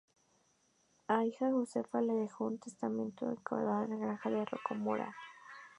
A su hija Josefa le dejó en testamento el condado de Granja de Rocamora.